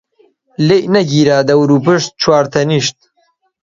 لێی نەگیرا دەوروپشت و چوار تەنیشت،